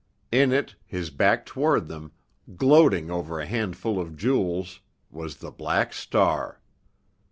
In it, his back toward them, gloating over a handful of jewels, was—the Black Star!